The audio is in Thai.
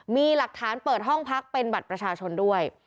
มีหลักฐานเปิดห้องพักเป็นบัตรประชาชนด้วย